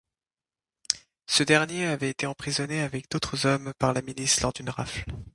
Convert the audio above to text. Ce dernier avait été emprisonné avec d'autres hommes par la milice lors d'une rafle.